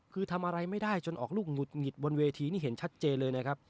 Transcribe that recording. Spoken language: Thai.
คือทำอะไรไม่ได้จนออกลูกหงุดหงิดบนเวทีนี่เห็นชัดเจนเลยนะครับ